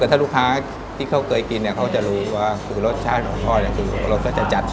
แต่ถ้าลูกค้าที่เขาเคยกินเนี่ยเขาจะรู้ว่าคือรสชาติของพ่อเนี่ยคือรสก็จะจัดสุด